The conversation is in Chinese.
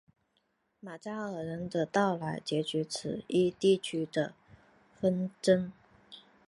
马扎尔人的到来结束了此一地区的纷争。